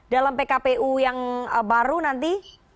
dalam pkpu yang baru nanti